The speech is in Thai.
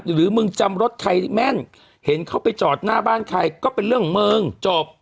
หรือมึงจำรถใครแม่นเห็นเขาไปจอดหน้าบ้านใครก็เป็นเรื่องมึงจบ